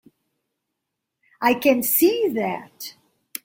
I can see that.